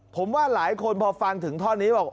ผมว่าหลายคนพอฟังถึงท่อนี้บอก